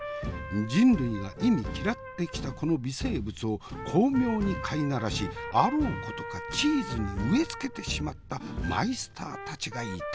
人類が忌み嫌ってきたこの微生物を巧妙に飼いならしあろうことかチーズに植え付けてしまったマイスターたちがいた。